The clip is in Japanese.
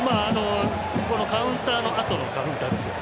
カウンターの後のカウンターですね。